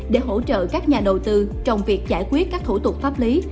để hỗ trợ các nhà đầu tư trong việc giải quyết các thủ tục pháp lý